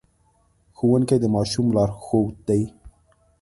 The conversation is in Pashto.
ښوونکي د ماشوم لارښود دي.